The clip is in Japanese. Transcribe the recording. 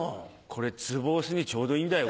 これツボ押しにちょうどいいんだよ。